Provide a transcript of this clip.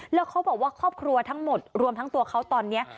แล้วเขาบอกว่าครอบครัวทั้งหมดรวมทั้งตัวเขาตอนนี้